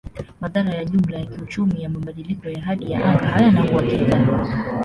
Madhara ya jumla ya kiuchumi ya mabadiliko ya hali ya anga hayana uhakika.